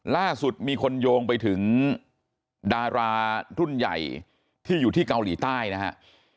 ล่าสุดมีคนโยงไปถึงดารารุ่นใหญ่ที่อยู่ที่เกาหลีใต้นะครับ